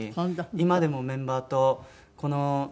今でもメンバーとこの。